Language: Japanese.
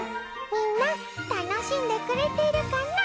みんな楽しんでくれてるかな？